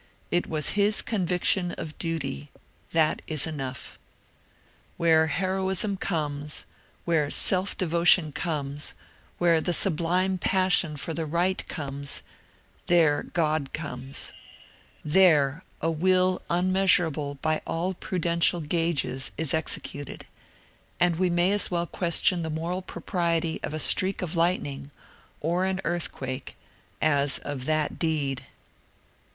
It was his conviction of duty — that is enough. ... Where heroism comes, where self devotion comes, where the sublime passion for the right comes, there Grod comes ; there a will unmea surable by all prudential gauges is executed, and we may as well question the moral propriety of a streak of lightning or an earthquake as of that deed.